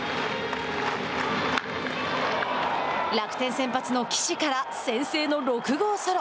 楽天先発の岸から先制の６号ソロ。